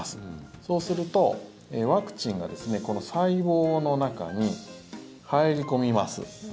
そうすると、ワクチンがこの細胞の中に入り込みます。